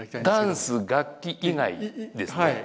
ダンス楽器以外ですね？